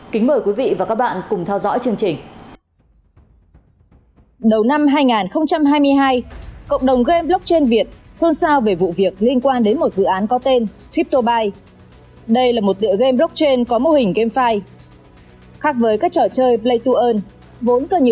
kính mời quý vị và các bạn cùng theo dõi chương trình